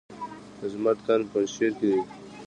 د زمرد کان په پنجشیر کې دی